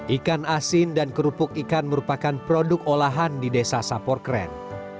ikan asin dan kerupuk ikan merupakan produk olahan di desa saporkren